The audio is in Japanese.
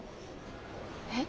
えっ。